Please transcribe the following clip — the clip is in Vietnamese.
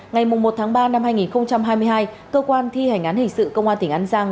ngày một tháng ba năm hai nghìn hai mươi hai cơ quan thi hành án hình sự công an tỉnh an giang